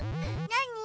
なに？